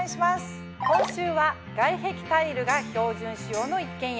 今週は外壁タイルが標準仕様の一軒家